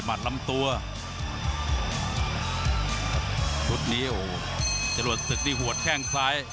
ไม่ได้ด้วยกว่าเมาเลยเมาแวง